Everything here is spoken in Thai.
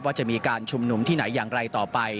ว่าจะมีการชุมนุมที่ไหนอย่างไรต่อไป